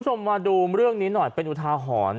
คุณผู้ชมมาดูเรื่องนี้หน่อยเป็นอุทาหรณ์